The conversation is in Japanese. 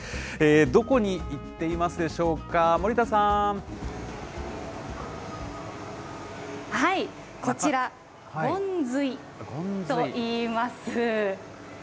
どこに行っていますでしょうか、こちら、ゴンズイといいます。